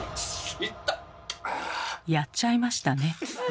やっちゃいましたね。